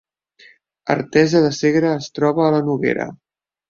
Artesa de Segre es troba a la Noguera